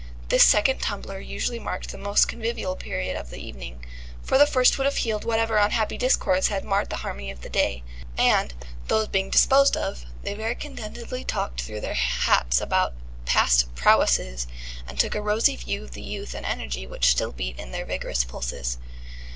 This second tumbler usually marked the most convivial period of the evening, for the first would have healed whatever unhappy discords had marred the harmony of the day, and, those being disposed of, they very contentedly talked through their hats about past prowesses, and took a rosy view of the youth and energy which still beat in their vigorous pulses.